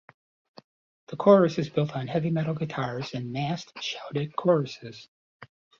The chorus is built on heavy metal guitars and massed, shouted choruses.